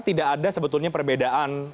tidak ada sebetulnya perbedaan